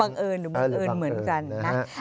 บังเอิญเหมือนกันนะ